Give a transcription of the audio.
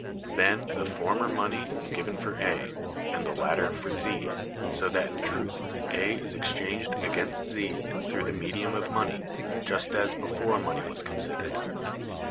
Then the former money is given for A, and the latter for Z, so that in truth A is exchanged against Z through the medium of money, just as before money was considered.